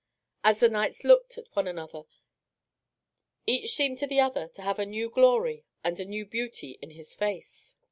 As the knights looked at one another, each seemed to the other to have a new glory and a new beauty in his face.